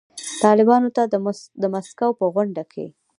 طالبانو ته د مسکو په غونډه کې